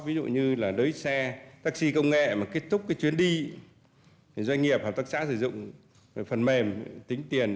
ví dụ như đối xe taxi công nghệ mà kết thúc chuyến đi doanh nghiệp hoặc tác xã sử dụng phần mềm tính tiền